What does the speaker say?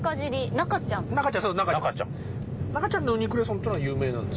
『中ちゃん』の「ウニクレソン」っていうのは有名なんです。